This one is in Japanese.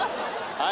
はい。